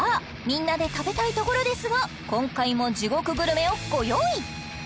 みんなで食べたいところですが今回も地獄グルメをご用意！